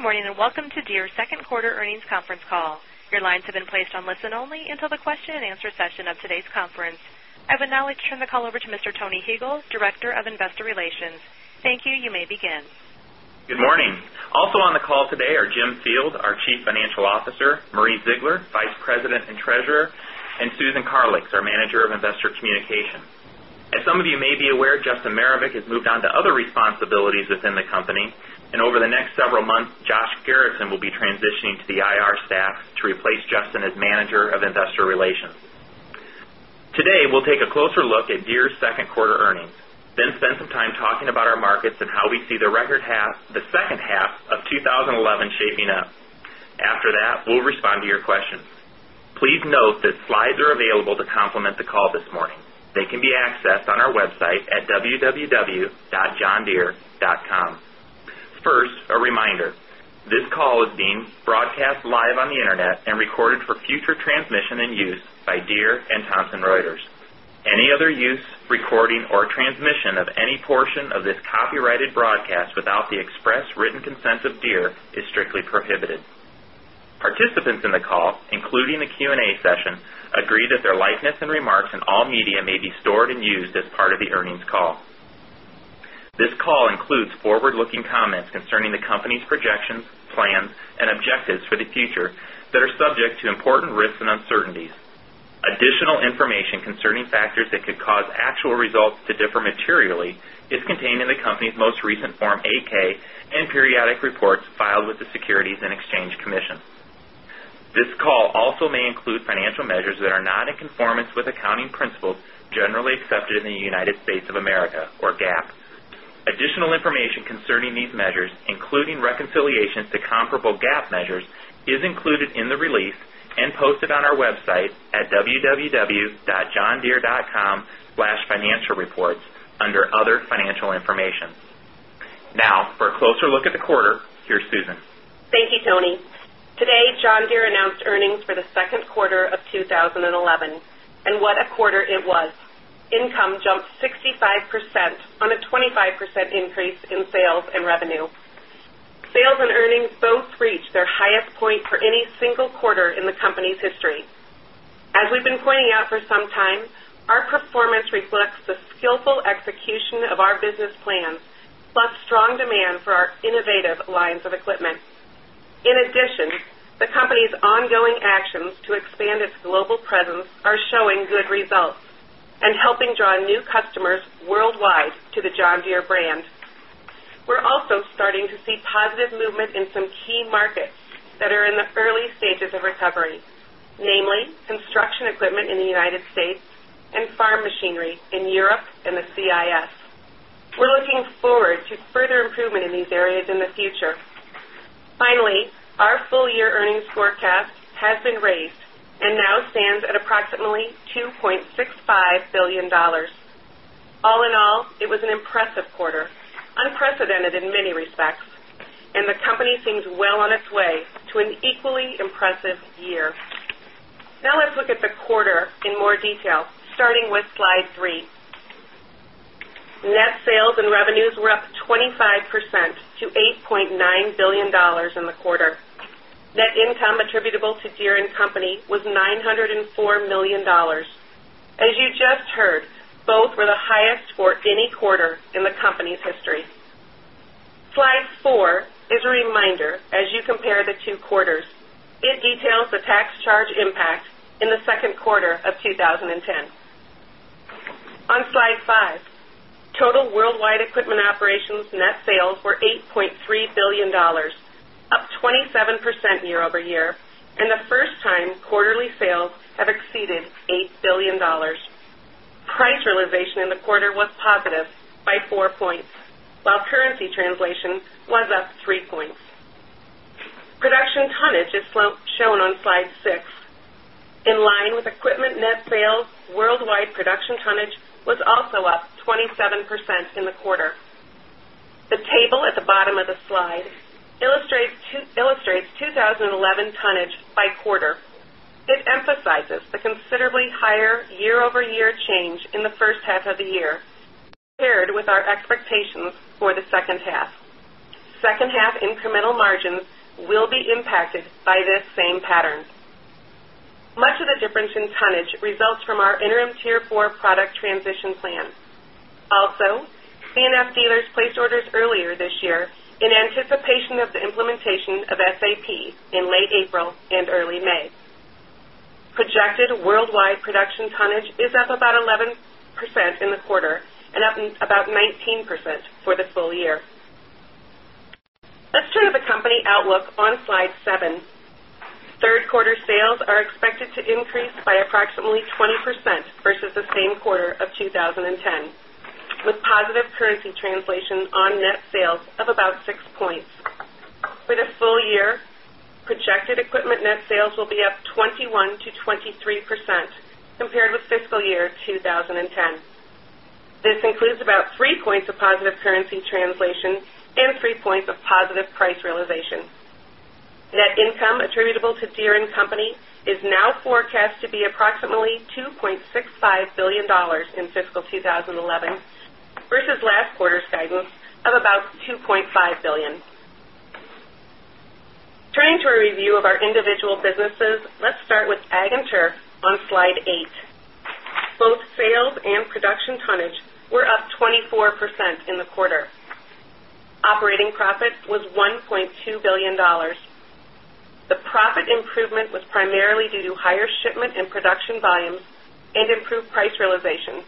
Good morning and welcome to Deere's Second Quarter Earnings Conference Call. Your lines have been placed on listen-only until the question and answer session of today's conference. I will now turn the call over to Mr. Tony Huegel, Director of Investor Relations. Thank you, you may begin. Good morning. Also on the call today are Jim Field, our Chief Financial Officer, Marie Ziegler, Vice President and Treasurer, and Susan Karlix, our Manager of Investor Communication. As some of you may be aware, Justin Merrimacic has moved on to other responsibilities within the company, and over the next several months, Josh Garrison will be transitioning to the IR staff to replace Justin as Manager of Investor Relations. Today, we'll take a closer look at Deere's second quarter earnings, then spend some time talking about our markets and how we see the second half of 2011 shaping up. After that, we'll respond to your questions. Please note that slides are available to complement the call this morning. They can be accessed on our website at www.johndeere.com. First, a reminder: this call is being broadcast live on the internet and recorded for future transmission and use by Deere and Thomson Reuters. Any other use, recording, or transmission of any portion of this copyrighted broadcast without the express written consent of Deere is strictly prohibited. Participants in the call, including the Q&A session, agree that their likeness and remarks in all media may be stored and used as part of the earnings call. This call includes forward-looking comments concerning the company's projections, plans, and objectives for the future that are subject to important risks and uncertainties. Additional information concerning factors that could cause actual results to differ materially is contained in the company's most recent Form 8-K and periodic reports filed with the Securities and Exchange Commission. This call also may include financial measures that are not in conformance with accounting principles generally accepted in the United States of America, or GAAP. Additional information concerning these measures, including reconciliations to comparable GAAP measures, is included in the release and posted on our website at www.johndeere.com/financialreports under Other Financial Information. Now, for a closer look at the quarter, here's Susan. Thank you, Tony. Today, John Deere announced earnings for the second quarter of 2011, and what a quarter it was. Income jumped 65% on a 25% increase in sales and revenue. Sales and earnings both reached their highest point for any single quarter in the company's history. As we've been pointing out for some time, our performance reflects the skillful execution of our business plan, plus strong demand for our innovative lines of equipment. In addition, the company's ongoing actions to expand its global presence are showing good results and helping draw new customers worldwide to the John Deere brand. We're also starting to see positive movement in some key markets that are in the early stages of recovery, namely construction equipment in the United States and farm machinery in Europe and the CIS. We're looking forward to further improvement in these areas in the future. Finally, our full-year earnings forecast has been raised and now stands at approximately $2.65 billion. All in all, it was an impressive quarter, unprecedented in many respects, and the company seems well on its way to an equally impressive year. Now let's look at the quarter in more detail, starting with slide three. Net sales and revenues were up 25% to $8.9 billion in the quarter. Net income attributable to Deere & Company was $904 million. As you just heard, both were the highest for any quarter in the company's history. Slide four is a reminder as you compare the two quarters. It details the tax charge impact in the second quarter of 2010. On slide five, total worldwide equipment operations net sales were $8.3 billion, up 27% year-over-year, and the first time quarterly sales have exceeded $8 billion. Price realization in the quarter was positive by 4 points, while currency translation was up 3 points. Production tonnage is shown on slide six. In line with equipment net sales, worldwide production tonnage was also up 27% in the quarter. The table at the bottom of the slide illustrates 2011 tonnage by quarter. It emphasizes a considerably higher year-over-year change in the first half of the year, paired with our expectations for the second half. Second half incremental margins will be impacted by this same pattern. Much of the difference in tonnage results from our Interim Tier 4 product transition plan. Also, C&S dealers placed orders earlier this year in anticipation of the implementation of SAP in late April and early May. Projected worldwide production tonnage is up about 11% in the quarter and up about 19% for the full year. Let's turn to the company outlook on slide seven. Third quarter sales are expected to increase by approximately 20% versus the same quarter of 2010, with positive currency translation on net sales of about 6 points. For the full year, projected equipment net sales will be up 21%-23% compared with fiscal year 2010. This includes about 3 points of positive currency translation and 3 points of positive price realization. Net income attributable to Deere & Company is now forecast to be approximately $2.65 billion in fiscal 2011 versus last quarter's guidance of about $2.5 billion. Turning to a review of our individual businesses, let's start with Ag & Turf on slide eight. Both sales and production tonnage were up 24% in the quarter. Operating profit was $1.2 billion. The profit improvement was primarily due to higher shipment and production volumes and improved price realization,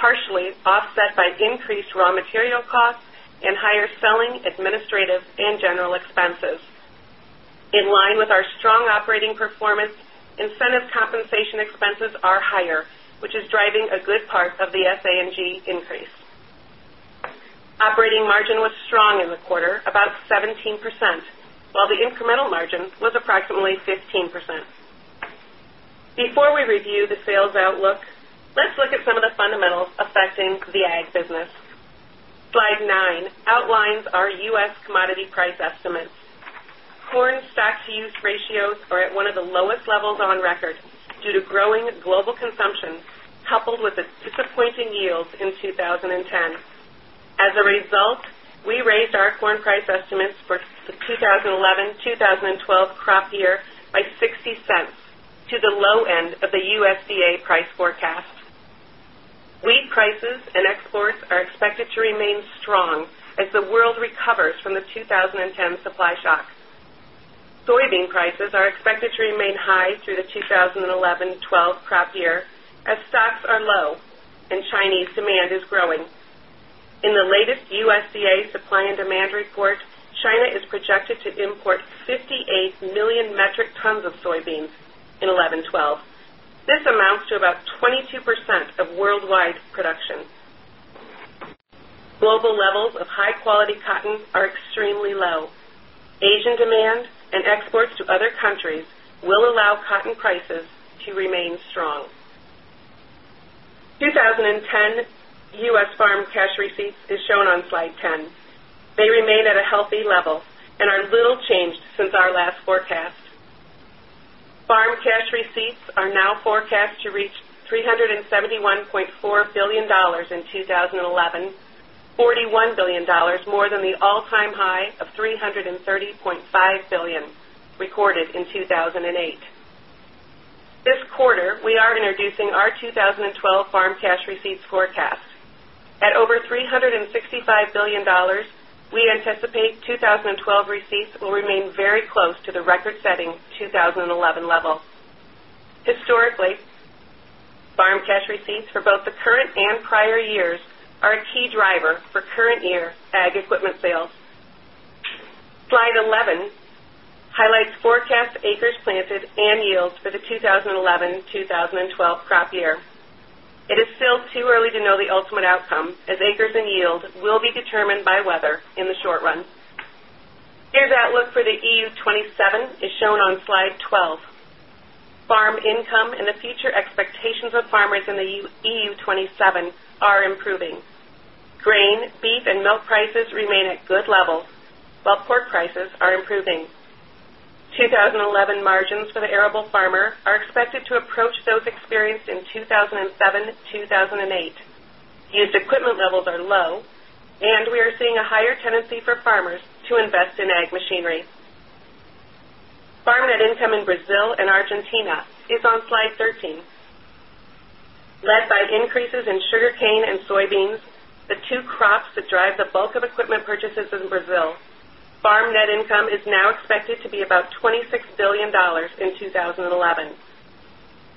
partially offset by increased raw material expenses and higher selling, administrative, and general expenses. In line with our strong operating performance, incentive compensation expenses are higher, which is driving a good part of the S&A&G increase. Operating margin was strong in the quarter, about 17%, while the incremental margin was approximately 15%. Before we review the sales outlook, let's look at some of the fundamentals affecting the Ag business. Slide nine outlines our U.S. commodity price estimates. Corn stock-to-use ratios are at one of the lowest levels on record due to growing global consumption, coupled with its disappointing yields in 2010. As a result, we raised our corn price estimates for the 2011-2012 crop year by $0.60 to the low end of the USDA price forecast. Wheat prices and exports are expected to remain strong as the world recovers from the 2010 supply shock. Soybean prices are expected to remain high through the 2011-2012 crop year as stocks are low and Chinese demand is growing. In the latest USDA supply and demand report, China is projected to import 58 million metric tons of soybeans in 2011-2012. This amounts to about 22% of worldwide production. Global levels of high-quality cotton are extremely low. Asian demand and exports to other countries will allow cotton prices to remain strong. 2010 U.S. farm cash receipts are shown on slide 10. They remain at a healthy level and are little changed since our last forecast. Farm cash receipts are now forecast to reach $371.4 billion in 2011, $41 billion more than the all-time high of $330.5 billion recorded in 2008. This quarter, we are introducing our 2012 farm cash receipts forecast. At over $365 billion, we anticipate 2012 receipts will remain very close to the record-setting 2011 level. Historically, farm cash receipts for both the current and prior years are a key driver for current year Ag equipment sales. Slide 11 highlights forecast acres planted and yields for the 2011-2012 crop year. It is still too early to know the ultimate outcome, as acres and yield will be determined by weather in the short run. Deere's outlook for the EU 27 is shown on slide 12. Farm income and the future expectations of farmers in the EU 27 are improving. Grain, beef, and milk prices remain at good levels, while pork prices are improving. 2011 margins for the arable farmer are expected to approach those experienced in 2007-2008. Used equipment levels are low, and we are seeing a higher tendency for farmers to invest in Ag machinery. Farm net income in Brazil and Argentina is on slide 13. Led by increases in sugarcane and soybeans, the two crops that drive the bulk of equipment purchases in Brazil, farm net income is now expected to be about $26 billion in 2011.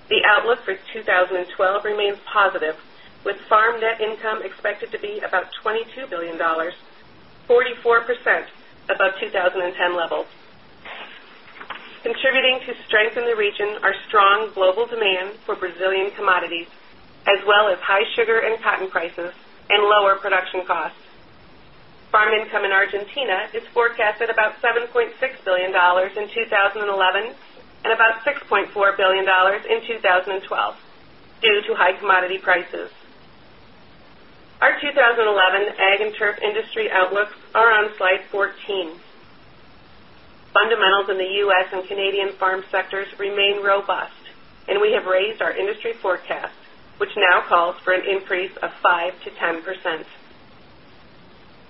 The outlook for 2012 remains positive, with farm net income expected to be about $22 billion, 44% above 2010 levels. Contributing to strength in the region are strong global demand for Brazilian commodities, as well as high sugar and cotton prices and lower production costs. Farm income in Argentina is forecast at about $7.6 billion in 2011 and about $6.4 billion in 2012 due to high commodity prices. Our 2011 Ag & Turf Industry Outlooks are on slide 14. Fundamentals in the U.S. and Canadian farm sectors remain robust, and we have raised our industry forecast, which now calls for an increase of 5% to 10%.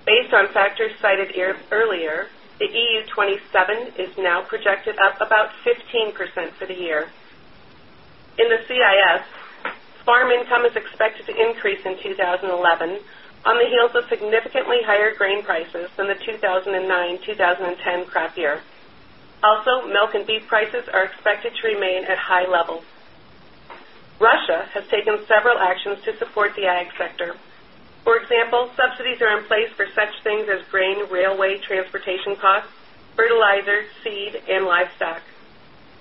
Based on factors cited earlier, the EU 27 is now projected up about 15% for the year. In the CIS, farm income is expected to increase in 2011 on the heels of significantly higher grain prices than the 2009-2010 crop year. Also, milk and beef prices are expected to remain at high levels. Russia has taken several actions to support the Ag sector. For example, subsidies are in place for such things as grain, railway transportation costs, fertilizer, seed, and livestock.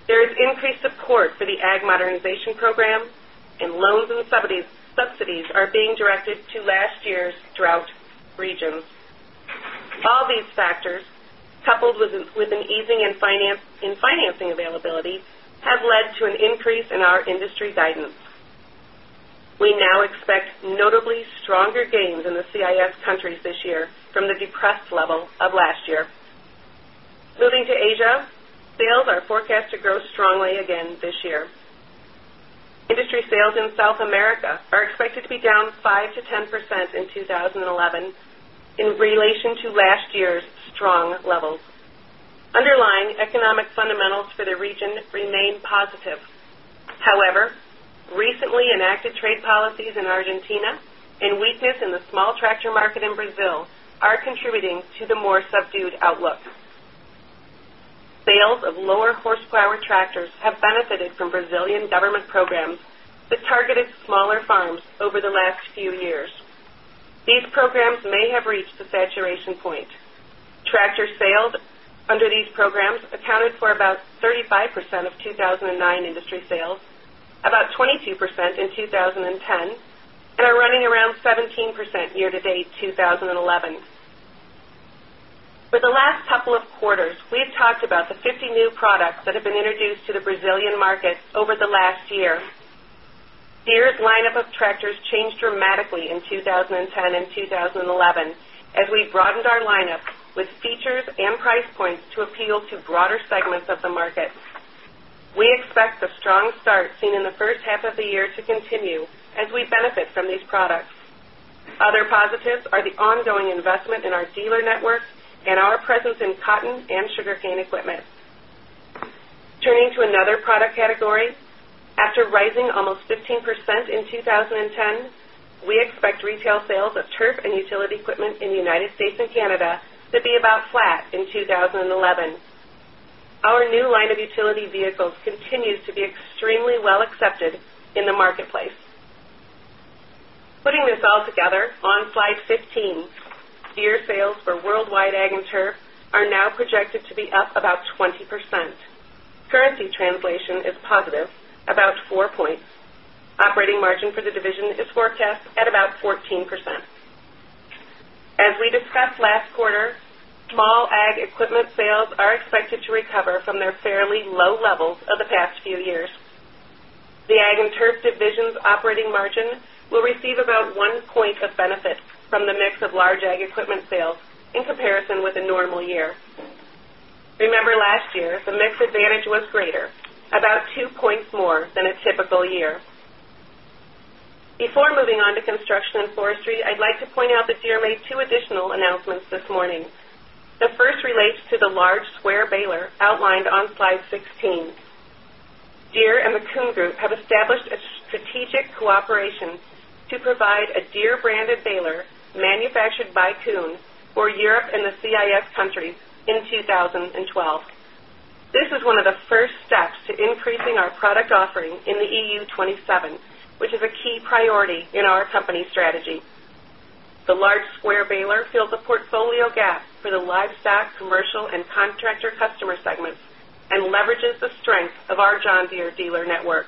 There is increased support for the Ag modernization program, and loans and subsidies are being directed to last year's drought regions. All these factors, coupled with an easing in financing availability, have led to an increase in our industry guidance. We now expect notably stronger gains in the CIS countries this year from the depressed level of last year. Moving to Asia, sales are forecast to grow strongly again this year. Industry sales in South America are expected to be down 5%-10% in 2011 in relation to last year's strong levels. Underlying economic fundamentals for the region remain positive. However, recently enacted trade policies in Argentina and weakness in the small tractor market in Brazil are contributing to the more subdued outlook. Sales of lower horsepower tractors have benefited from Brazilian government programs that targeted smaller farms over the last few years. These programs may have reached the saturation point. Tractor sales under these programs accounted for about 35% of 2009 industry sales, about 22% in 2010, and are running around 17% year to date 2011. For the last couple of quarters, we've talked about the 50 new products that have been introduced to the Brazilian market over the last year. Deere's lineup of tractors changed dramatically in 2010 and 2011 as we broadened our lineup with features and price points to appeal to broader segments of the market. We expect the strong start seen in the first half of the year to continue as we benefit from these products. Other positives are the ongoing investment in our dealer networks and our presence in cotton and sugarcane equipment. Turning to another product category, after rising almost 15% in 2010, we expect retail sales of Turf and Utility equipment in the United States and Canada to be about flat in 2011. Our new line of utility vehicles continues to be extremely well accepted in the marketplace. Putting this all together on slide 15, Deere sales for worldwide Ag & Turf are now projected to be up about 20%. Currency translation is positive, about 4 points. Operating margin for the division is forecast at about 14%. As we discussed last quarter, small Ag equipment sales are expected to recover from their fairly low levels of the past few years. The Ag & Turf division's operating margin will receive about 1 point of benefit from the mix of large Ag equipment sales in comparison with the normal year. Remember, last year, the mixed advantage was greater, about 2 points more than a typical year. Before moving on to Construction & Forestry, I'd like to point out that Deere made two additional announcements this morning. The first relates to the large square baler outlined on slide 16. Deere and the Kuhn Group have established a strategic cooperation to provide a Deere-branded baler manufactured by Kuhn for Europe and the CIS countries in 2012. This is one of the first steps to increasing our product offering in the EU 27, which is a key priority in our company strategy. The large square baler fills the portfolio gap for the livestock, commercial, and contractor customer segments and leverages the strength of our John Deere dealer network.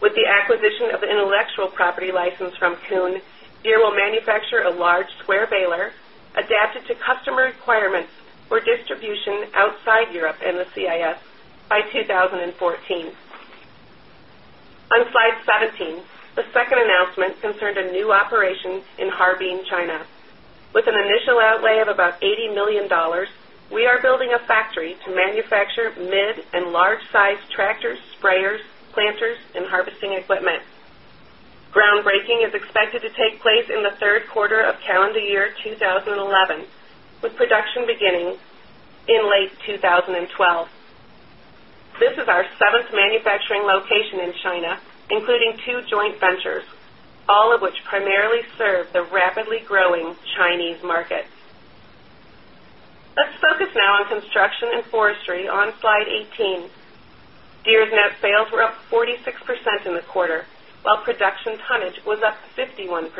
With the acquisition of the intellectual property license from Kuhn, Deere will manufacture a large square baler adapted to customer requirements for distribution outside Europe and the CIS by 2014. On slide 17, the second announcement concerned a new operation in Harbin, China. With an initial outlay of about $80 million, we are building a factory to manufacture mid and large-sized tractors, sprayers, planters, and harvesting equipment. Groundbreaking is expected to take place in the third quarter of calendar year 2011, with production beginning in late 2012. This is our seventh manufacturing location in China, including two joint ventures, all of which primarily serve the rapidly growing Chinese markets. Let's focus now on Construction & Forestry on slide 18. Deere's net sales were up 46% in the quarter, while production tonnage was up 51%.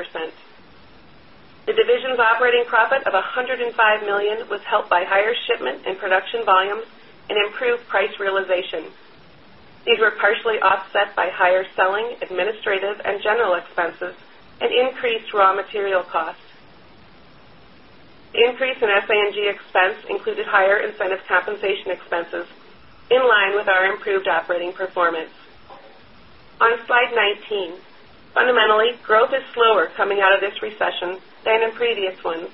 The division's operating profit of $105 million was helped by higher shipment and production volume and improved price realization. These were partially offset by higher selling, administrative, and general expenses and increased raw material costs. The increase in SA&G expense expense included higher incentive compensation expenses in line with our improved operating performance. On slide 19, fundamentally, growth is slower coming out of this recession than in previous ones.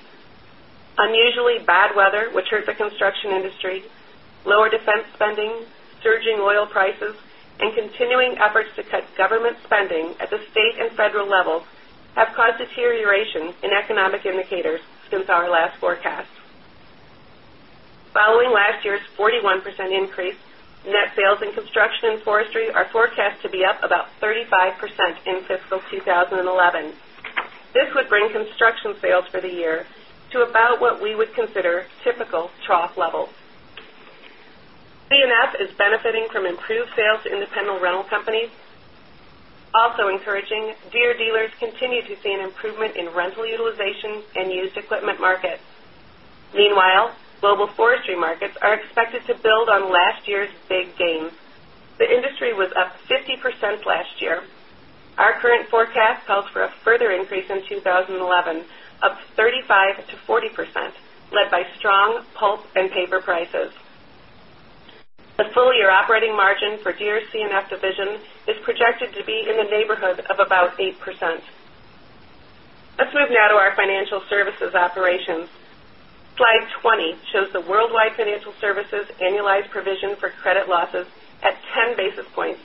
Unusually bad weather, which hurt the construction industry, lower defense spending, surging oil prices, and continuing efforts to cut government spending at the state and federal level have caused deterioration in economic indicators since our last forecast. Following last year's 41% increase, net sales in Construction & Forestry are forecast to be up about 35% in fiscal 2011. This would bring construction sales for the year to about what we would consider typical trough levels. C&S is benefiting from improved sales to independent rental companies, also encouraging Deere dealers to continue to see an improvement in rental utilization and used equipment markets. Meanwhile, global forestry markets are expected to build on last year's big gain. The industry was up 50% last year. Our current forecast calls for a further increase in 2011, up 35%-40%, led by strong pulp and paper prices. The full-year operating margin for Deere's C&S division is projected to be in the neighborhood of about 8%. Let's move now to our financial services operations. Slide 20 shows the worldwide financial services annualized provision for credit losses at 10 basis points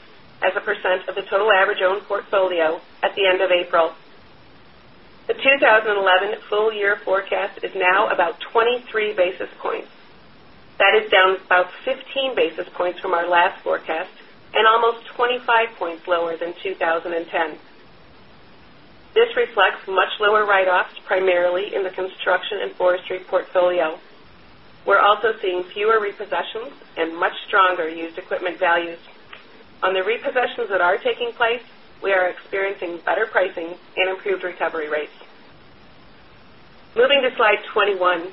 as a percent of the total average owned portfolio at the end of April. The 2011 full-year forecast is now about 23 basis points. That is down about 15 basis points from our last forecast and almost 25 basis points lower than 2010. This reflects much lower write-offs, primarily in the construction and forestry portfolio. We're also seeing fewer repossessions and much stronger used equipment values. On the repossessions that are taking place, we are experiencing better pricing and improved recovery rates. Moving to slide 21,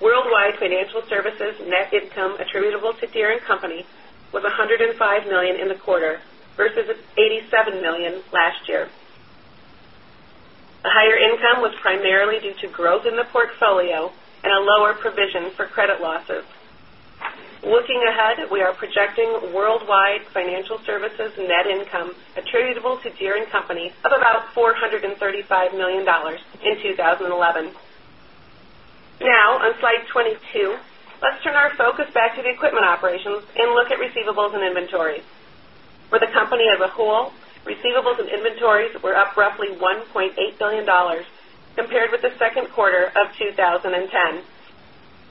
worldwide financial services net income attributable to Deere & Company was $105 million in the quarter versus $87 million last year. The higher income was primarily due to growth in the portfolio and a lower provision for credit losses. Looking ahead, we are projecting worldwide financial services net income attributable to Deere & Company of about $435 million in 2011. Now, on slide 22, let's turn our focus back to the equipment operations and look at receivables and inventory. For the company as a whole, receivables and inventories were up roughly $1.8 billion compared with the second quarter of 2010.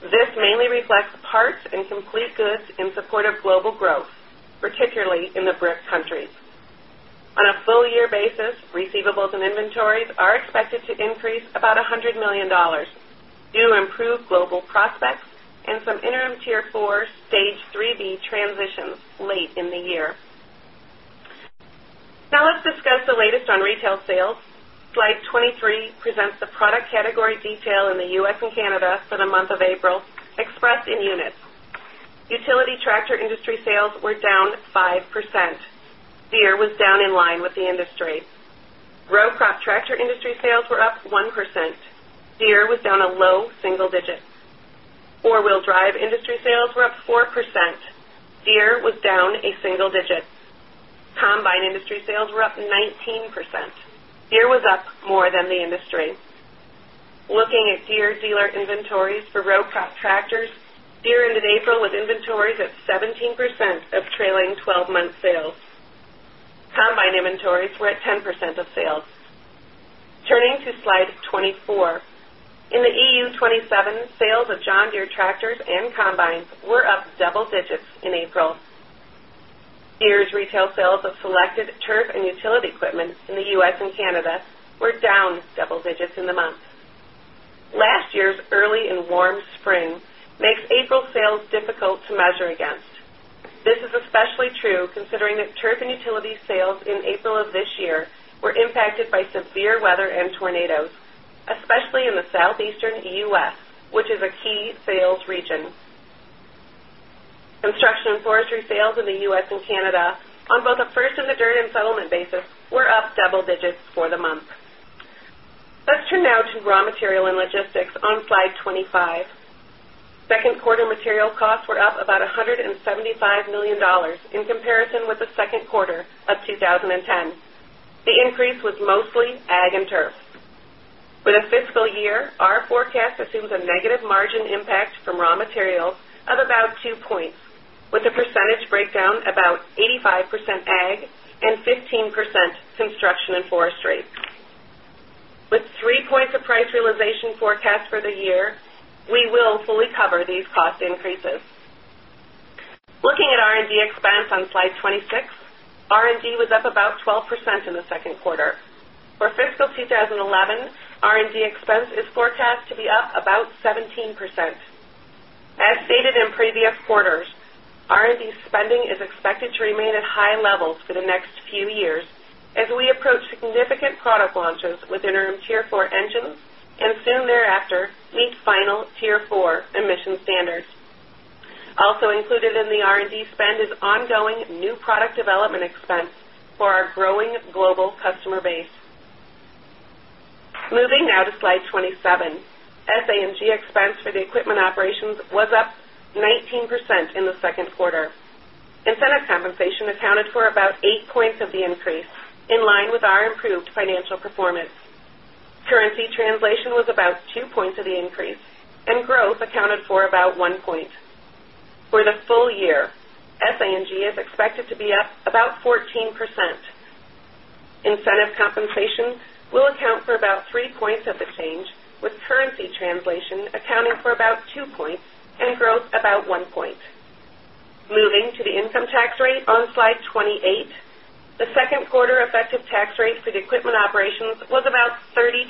This mainly reflects parts and complete goods in support of global growth, particularly in the BRIC countries. On a full-year basis, receivables and inventories are expected to increase about $100 million due to improved global prospects and some Interim Tier 4 / Stage IIIB transitions late in the year. Now let's discuss the latest on retail sales. Slide 23 presents the product category detail in the U.S. and Canada for the month of April expressed in units. Utility tractor industry sales were down 5%. Deere was down in line with the industry. Row crop tractor industry sales were up 1%. Deere was down a low single digit. Four-wheel drive industry sales were up 4%. Deere was down a single digit. Combine industry sales were up 19%. Deere was up more than the industry. Looking at Deere dealer inventories for row crop tractors, Deere ended April with inventories of 17% of trailing 12-month sales. Combine inventories were at 10% of sales. Turning to slide 24, in the EU 27, sales of John Deere tractors and combines were up double digits in April. Deere's retail sales of selected Turf and Utility equipment in the U.S. and Canada were down double digits in the month. Last year's early and warm spring makes April sales difficult to measure against. This is especially true considering that Turf and Utility sales in April of this year were impacted by severe weather and tornadoes, especially in the southeastern U.S., which is a key sales region. Construction & Forestry sales in the U.S. and Canada on both a first and a dirt and settlement basis were up double digits for the month. Let's turn now to raw material and logistics on slide 25. Second quarter material costs were up about $175 million in comparison with the second quarter of 2010. The increase was mostly Ag & Turf. For the fiscal year, our forecast assumes a negative margin impact from raw material of about 2 points, with a percentage breakdown about 85% Ag and 15% Construction & Forestry. With 3 points of price realization forecast for the year, we will fully cover these cost increases. Looking at R&D expense on slide 26, R&D was up about 12% in the second quarter. For fiscal 2011, R&D expense is forecast to be up about 17%. As stated in previous quarters, R&D spending is expected to remain at high levels for the next few years as we approach significant product launches with Interim Tier 4 engines and soon thereafter these final Tier 4 emission standards. Also included in the R&D spend is ongoing new product development expense for our growing global customer base. Moving now to slide 27, SA&G expense for the equipment operations was up 19% in the second quarter. Incentive compensation accounted for about 8 points of the increase in line with our improved financial performance. Currency translation was about 2 points of the increase, and growth accounted for about 1 point. For the full year, SA&G is expected to be up about 14%. Incentive compensation will account for about 3 points of the change, with currency translation accounting for about 2 points and growth about 1 point. Moving to the income tax rate on slide 28, the second quarter effective tax rate for the equipment operations was about 32%.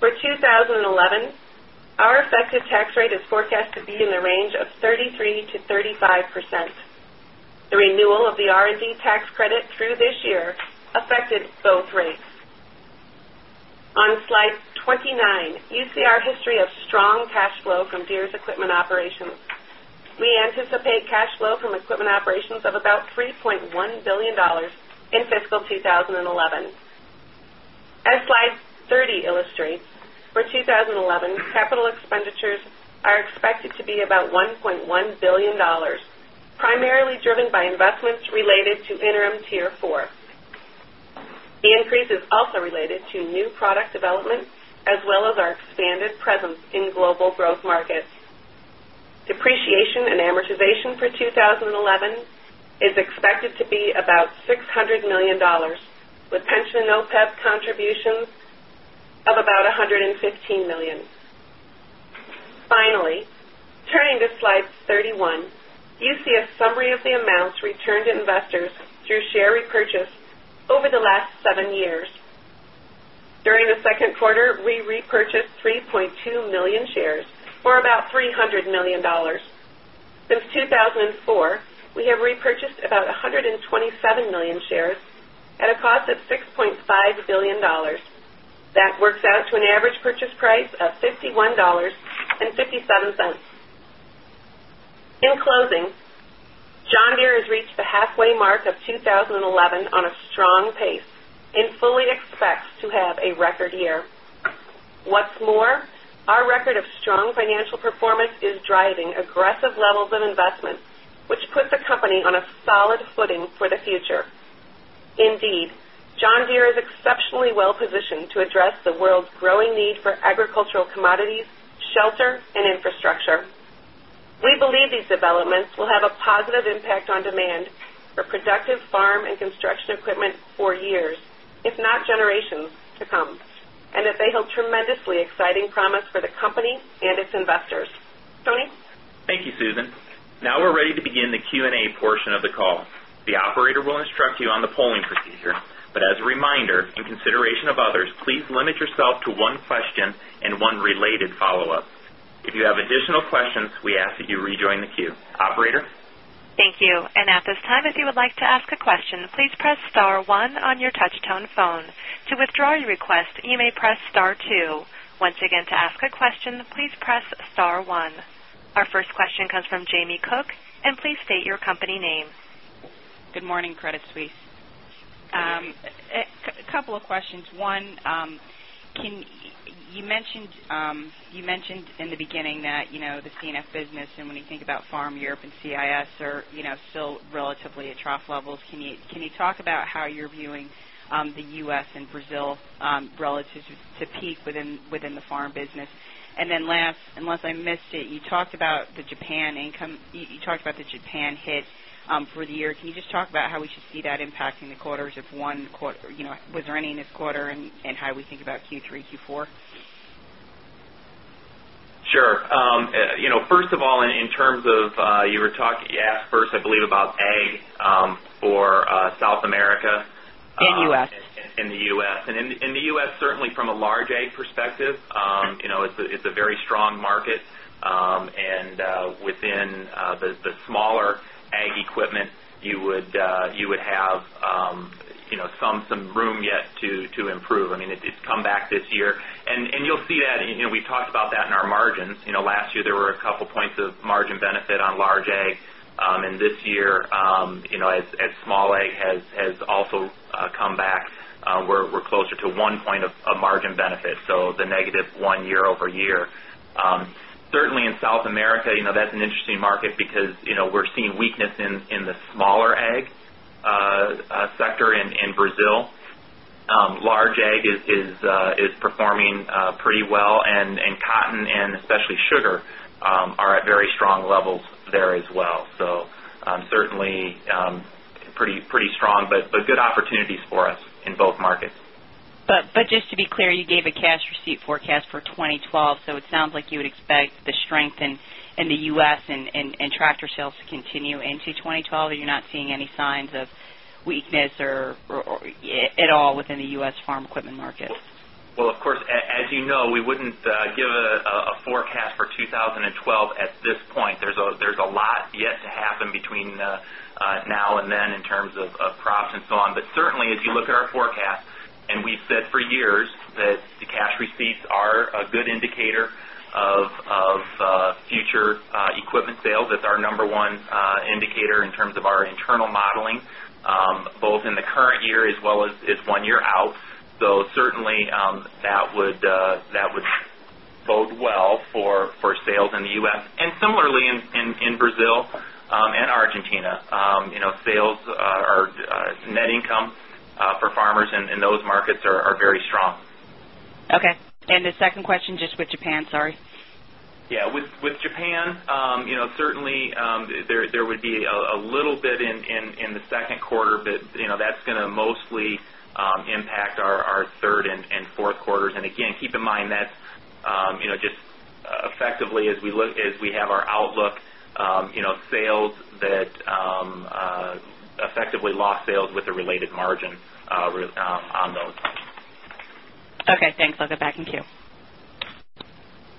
For 2011, our effective tax rate is forecast to be in the range of 33%-35%. The renewal of the R&D tax credit through this year affected both rates. On slide 29, you see our history of strong cash flow from Deere's equipment operations. We anticipate cash flow from equipment operations of about $3.1 billion in fiscal 2011. As slide 30 illustrates, for 2011, capital expenditures are expected to be about $1.1 billion, primarily driven by investments related to Interim Tier 4. The increase is also related to new product development as well as our expanded presence in global growth markets. Depreciation and amortization for 2011 is expected to be about $600 million, with pension and OPEB contributions of about $115 million. Finally, turning to slide 31, you see a summary of the amounts returned to investors through share repurchases over the last seven years. During the second quarter, we repurchased 3.2 million shares, or about $300 million. Since 2004, we have repurchased about 127 million shares at a cost of $6.5 billion. That works out to an average purchase price of $51.57. In closing, John Deere has reached the halfway mark of 2011 on a strong pace and fully expects to have a record year. What's more, our record of strong financial performance is driving aggressive levels of investment, which puts the company on a solid footing for the future. Indeed, John Deere is exceptionally well positioned to address the world's growing need for agricultural commodities, shelter, and infrastructure. We believe these developments will have a positive impact on demand for productive farm and construction equipment for years, if not generations to come, and that they have tremendously exciting promise for the company and its investors. Tony. Thank you, Susan. Now we're ready to begin the Q&A portion of the call. The operator will instruct you on the polling procedure. As a reminder and consideration of others, please limit yourself to one question and one related follow-up. If you have additional questions, we ask that you rejoin the queue. Operator? Thank you. At this time, if you would like to ask a question, please press star one on your touch-tone phone. To withdraw your request, you may press star two. Once again, to ask a question, please press star one. Our first question comes from Jamie Cook, and please state your company name. Good morning, Credit Suisse. A couple of questions. One, you mentioned in the beginning that the C&S business, and when you think about farm Europe and CIS, are still relatively at trough levels. Can you talk about how you're viewing the U.S. and Brazil relative to peak within the farm business? Last, unless I missed it, you talked about the Japan income, you talked about the Japan hit for the year. Can you just talk about how we should see that impacting the quarters of one quarter? Was there any in this quarter and how we think about Q3, Q4? Sure. First of all, in terms of you were talking, you asked first, I believe, about Ag for South America. And the U.S. In the U.S., and in the U.S., certainly from a large Ag perspective, you know, it's a very strong market. Within the smaller Ag equipment, you would have some room yet to improve. I mean, it's come back this year, and you'll see that, you know, we've talked about that in our margins. Last year there were a couple of points of margin benefit on large Ag. This year, you know, as small Ag has also come back, we're closer to 1 point of margin benefit, so the negative one year-over-year. Certainly in South America, you know, that's an interesting market because, you know, we're seeing weakness in the smaller Ag sector in Brazil. Large Ag is performing pretty well, and cotton and especially sugar are at very strong levels there as well. Certainly pretty strong, but good opportunities for us in both markets. Just to be clear, you gave a cash receipt forecast for 2012. It sounds like you would expect the strength in the U.S. and tractor sales to continue into 2012, or you're not seeing any signs of weakness at all within the U.S. farm equipment market? As you know, we wouldn't give a forecast for 2012 at this point. There's a lot yet to happen between now and then in terms of crops and so on. Certainly, as you look at our forecast, and we've said for years that the farm cash receipts are a good indicator of future equipment sales. It's our number one indicator in terms of our internal modeling, both in the current year as well as one year out. Certainly, that would bode well for sales in the U.S. and similarly in Brazil and Argentina. Sales or net income for farmers in those markets are very strong. Okay. The second question, just with Japan, sorry. Yeah, with Japan, you know, certainly there would be a little bit in the second quarter, but you know, that's going to mostly impact our third and fourth quarters. Again, keep in mind that's, you know, just effectively as we look as we have our outlook, you know, sales that effectively lost sales with a related margin on those funds. Okay, thanks. I'll get back in queue.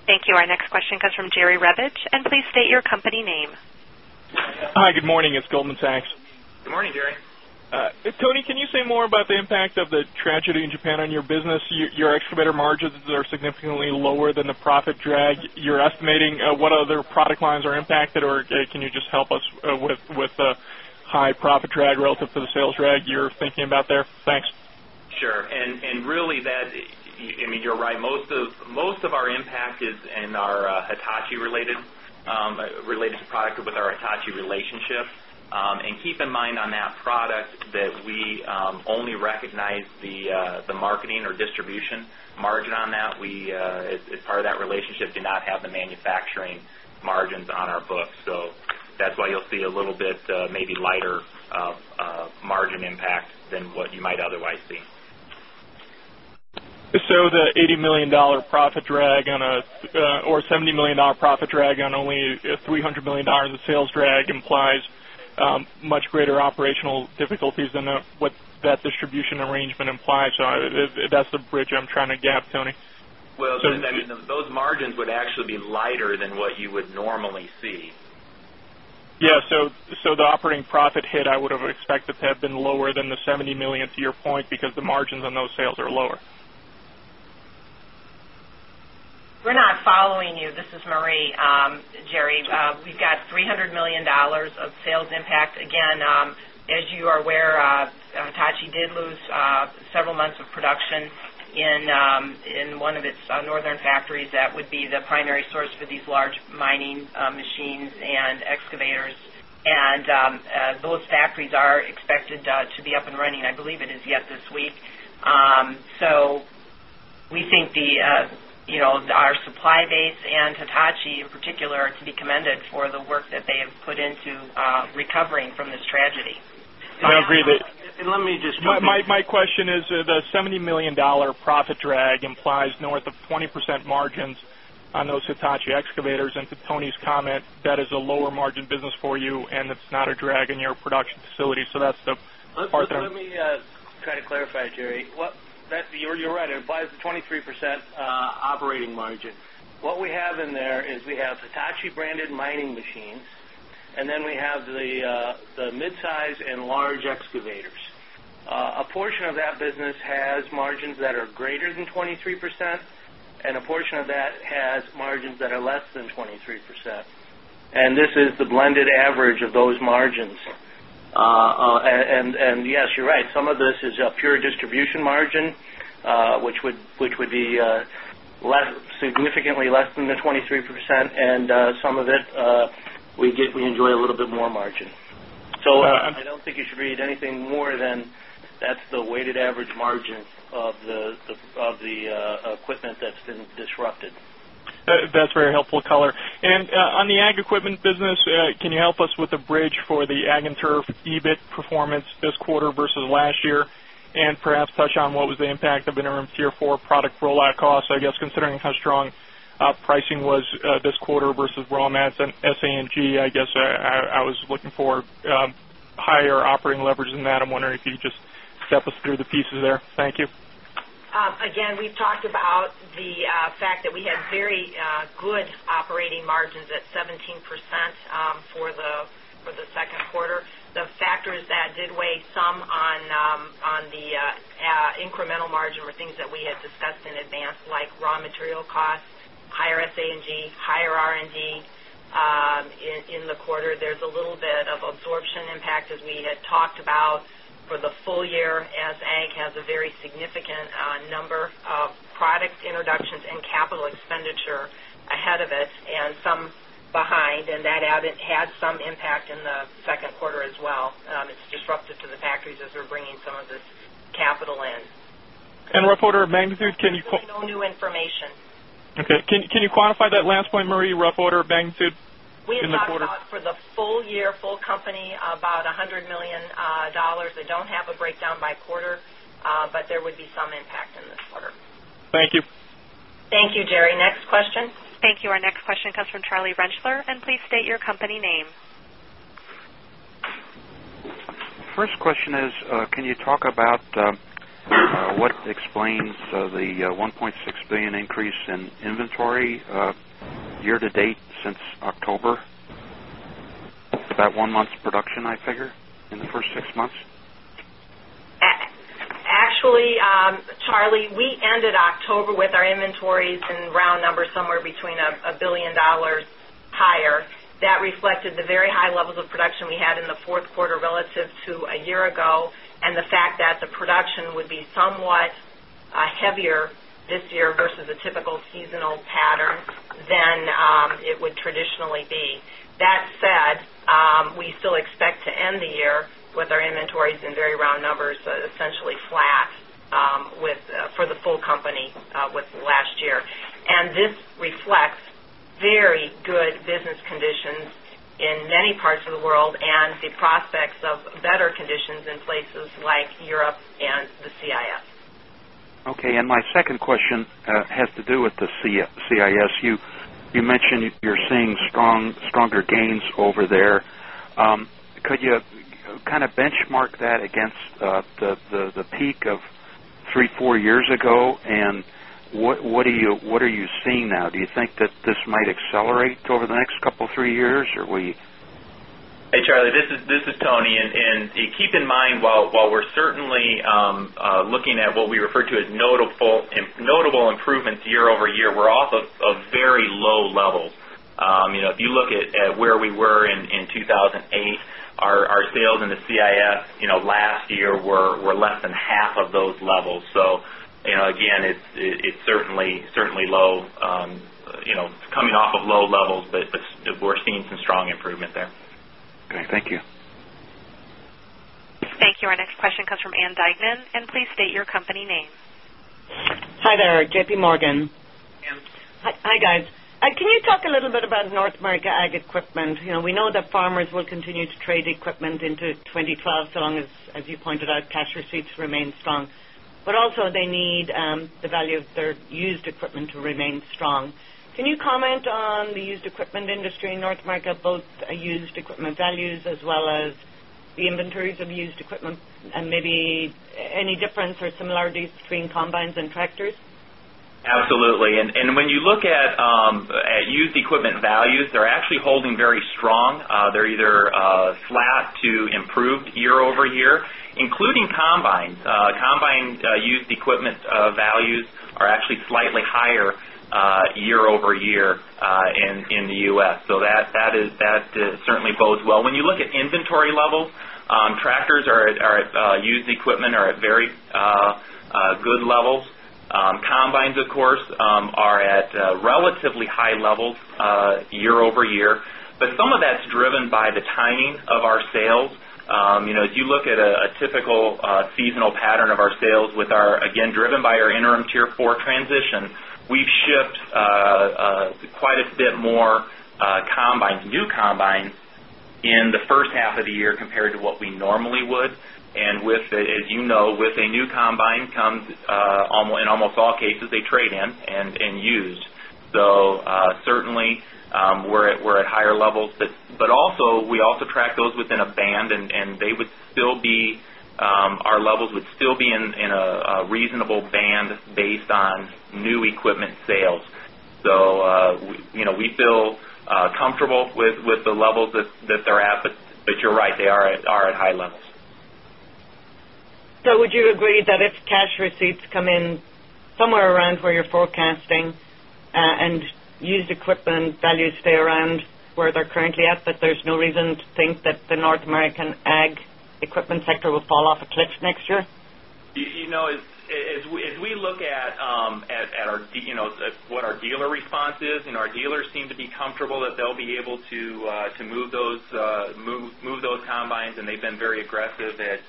Thank you. Our next question comes from Jerry Revich, and please state your company name. Hi, good morning. It's Goldman Sachs. Good morning, Jerry. Hey, Tony. Can you say more about the impact of the tragedy in Japan on your business? Your excavator margins are significantly lower than the profit drag. You're estimating what other product lines are impacted, or can you just help us with the high profit drag relative to the sales drag you're thinking about there? Sure. You're right. Most of our impact is in our Hitachi related, related to product with our Hitachi relationship. Keep in mind on that product that we only recognize the marketing or distribution margin on that. We, as part of that relationship, do not have the manufacturing margins on our books. That's why you'll see a little bit maybe lighter margin impact than what you might otherwise see. The $80 million profit drag, or $70 million profit drag on only a $300 million sales drag, implies much greater operational difficulties than what that distribution arrangement implies. That's the bridge I'm trying to gap, Tony. I mean, those margins would actually be lighter than what you would normally see. Yeah, the operating profit hit I would have expected to have been lower than the $70 million to your point because the margins on those sales are lower. We're not following you. This is Marie. Jerry, we've got $300 million of sales impact. As you are aware, Hitachi did lose several months of production in one of its northern factories that would be the primary source for these large mining machines and excavators. Those factories are expected to be up and running, I believe it is yet this week. We think our supply base and Hitachi in particular can be commended for the work that they have put into recovering from this tragedy. I agree, but let me just, my question is the $70 million profit drag implies north of 20% margins on those Hitachi excavators. To Tony's comment, that is a lower margin business for you, and it's not a drag in your production facility. That's the part that I'm. Let me try to clarify, Jerry. What you're right, it applies the 23% operating margin. What we have in there is we have Hitachi-branded mining machines, and then we have the mid-size and large excavators. A portion of that business has margins that are greater than 23%, and a portion of that has margins that are less than 23%. This is the blended average of those margins. Yes, you're right. Some of this is a pure distribution margin, which would be significantly less than the 23%, and some of it we enjoy a little bit more margin. I don't think you should read anything more than that's the weighted average margin of the equipment that's been disrupted. That's very helpful color. On the Ag Equipment business, can you help us with the bridge for the Ag & Turf EBIT performance this quarter versus last year? Perhaps touch on what was the impact of Interim Tier 4 product rollout costs, considering how strong pricing was this quarter versus raw material expenses. I was looking for a higher operating leverage than that. I'm wondering if you could just step us through the pieces there. Thank you. Again, we talked about the fact that we had very good operating margins at 17% for the second quarter. The factors that did weigh some on the incremental margin were things that we had discussed in advance, like raw material costs, higher SA&G, higher R&D. In the quarter, there's a little bit of absorption impact, as we had talked about for the full year, as Ag has a very significant number of product introductions and capital expenditure ahead of it and some behind. That had some impact in the second quarter as well. It's disruptive to the factories as we're bringing some of this capital in. Rough of magnitude, can you? No new information. Okay. Can you quantify that last point, Marie, rough order of magnitude in the quarter? We have talked about for the full year, full company, about $100 million. We don't have a breakdown by quarter, but there would be some impact in this quarter. Thank you. Thank you, Jerry. Next question. Thank you. Our next question comes from Charlie Rentschler, and please state your company name. First question is, can you talk about what explains the $1.6 billion increase in inventory year to date since October? About one month's production, I figure, in the first six months. Actually, Charlie, we ended October with our inventories in round numbers somewhere between $1 billion higher. That reflected the very high levels of production we had in the fourth quarter relative to a year ago, and the fact that the production would be somewhat heavier this year versus a typical seasonal pattern than it would traditionally be. That said, we still expect to end the year with our inventories in very round numbers, essentially flat for the full company with last year. This reflects very good business conditions in many parts of the world and the prospects of better conditions in places like Europe and the CIS. Okay. My second question has to do with the CIS. You mentioned you're seeing stronger gains over there. Could you kind of benchmark that against the peak of three, four years ago, and what are you seeing now? Do you think that this might accelerate over the next couple of three years, or will you? Hey, Charlie, this is Tony. Keep in mind, while we're certainly looking at what we refer to as notable improvements year-over-year, we're off of very low levels. If you look at where we were in 2008, our sales in the CIS last year were less than half of those levels. It's certainly low, coming off of low levels, but we're seeing some strong improvement there. Okay, thank you. Thank you. Our next question comes from Ann Duignan, and please state your company name. Hi there, JPMorgan. Hi, guys. Can you talk a little bit about North America Ag equipment? You know, we know that farmers will continue to trade equipment into 2012, as you pointed out, cash receipts remain strong. They need the value of their used equipment to remain strong. Can you comment on the used equipment industry in North America, both used equipment values as well as the inventories of used equipment, and maybe any difference or similarities between combines and tractors? Absolutely. When you look at used equipment values, they're actually holding very strong. They're either flat to improved year-over-year, including combines. Combine used equipment values are actually slightly higher year-over-year in the U.S. That certainly bodes well. When you look at inventory levels, tractors are at used equipment are at very good levels. Combines, of course, are at relatively high levels year-over-year. Some of that's driven by the timing of our sales. As you look at a typical seasonal pattern of our sales, again, driven by our Interim Tier 4 transition, we've shipped quite a bit more combines, new combines in the first half of the year compared to what we normally would. With it, as you know, with a new combine comes in almost all cases, a trade-in and use. Certainly, we're at higher levels. We also track those within a band, and they would still be, our levels would still be in a reasonable band based on new equipment sales. We feel comfortable with the levels that they're at, but you're right, they are at high levels. Would you agree that if cash receipts come in somewhere around where you're forecasting and used equipment values stay around where they're currently at, that there's no reason to think that the North American Ag equipment sector will fall off a cliff next year? As we look at what our dealer response is, our dealers seem to be comfortable that they'll be able to move those combines, and they've been very aggressive at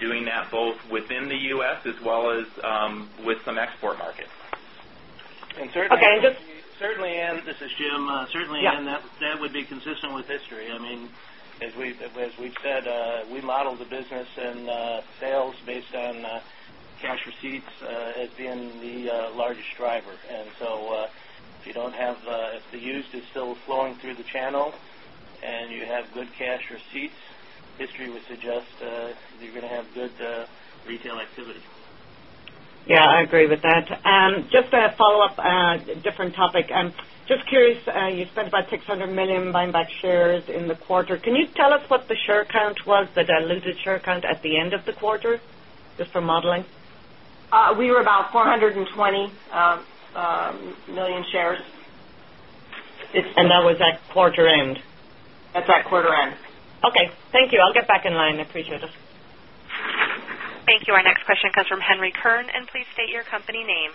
doing that both within the U.S. as well as with some export markets. Thanks. Certainly, Ann, this is Jim. That would be consistent with history. I mean, as we've said, we model the business and sales based on cash receipts as being the largest driver. If you don't have, if the used is still flowing through the channel and you have good cash receipts, history would suggest that you're going to have good retail activity. Yeah, I agree with that. Just a follow-up, a different topic. I'm just curious, you spent about $600 million buying back shares in the quarter. Can you tell us what the share count was, the diluted share count at the end of the quarter, just for modeling? We were about 420 million shares. Was that at quarter end? That's at quarter end. Okay, thank you. I'll get back in line. I appreciate it. Thank you. Our next question comes from Henry Kirn, and please state your company name.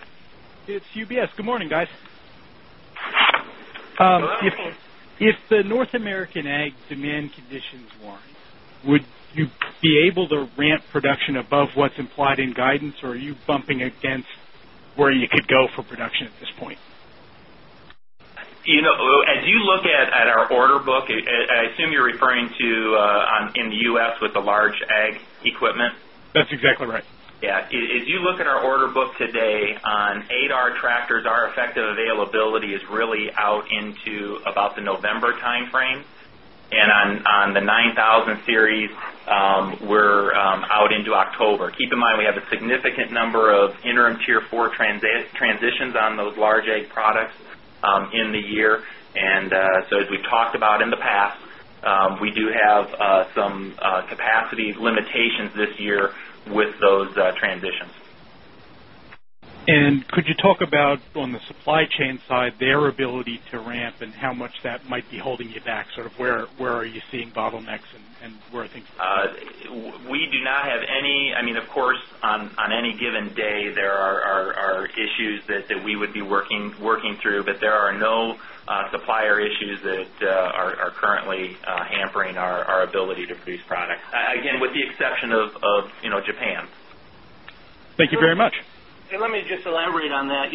It's UBS. Good morning, guys. Good morning. If the North American Ag demand conditions warrant, would you be able to ramp production above what's implied in guidance, or are you bumping against where you could go for production at this point? You know, as you look at our order book, I assume you're referring to in the U.S. with the large Ag equipment? That's exactly right. Yeah. As you look at our order book today, on 8R tractors, our effective availability is really out into about the November timeframe. On the 9,000 series, we're out into October. Keep in mind, we have a significant number of Interim Tier 4 transitions on those large Ag products in the year. As we've talked about in the past, we do have some capacity limitations this year with those transitions. Could you talk about on the supply chain side, their ability to ramp and how much that might be holding you back? Where are you seeing bottlenecks and where things? We do not have any, I mean, of course, on any given day, there are issues that we would be working through, but there are no supplier issues that are currently hampering our ability to produce product, again, with the exception of, you know, Japan. Thank you very much. Let me just elaborate on that.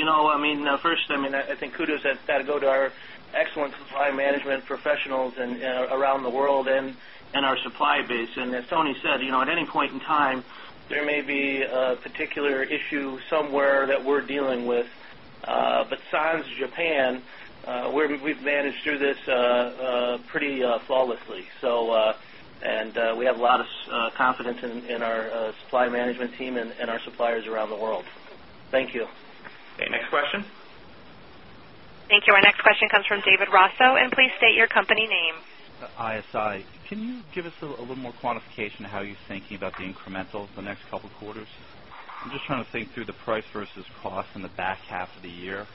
First, I think kudos has got to go to our excellent supply management professionals around the world and our supply base. As Tony said, at any point in time, there may be a particular issue somewhere that we're dealing with, besides Japan, we've managed through this pretty flawlessly. We have a lot of confidence in our supply management team and our suppliers around the world. Thank you. Okay, next question. Thank you. Our next question comes from David Raso, and please state your company name. ISI. Can you give us a little more quantification of how you're thinking about the incremental the next couple of quarters? I'm just trying to think through the price versus cost in the back half of the year.